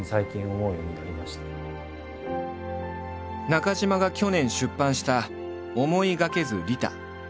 中島が去年出版した「思いがけず利他」。